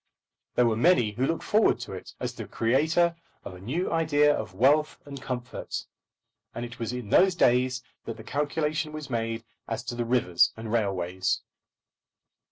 There were many who looked forward to it as the creator of a new idea of wealth and comfort; and it was in those days that the calculation was made as to the rivers and railways.